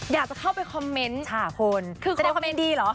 อยากจะเข้าไปคอมเม้นต์ช่างคนคือคอมเม้นต์จะได้คอมเม้นต์ดีเหรอ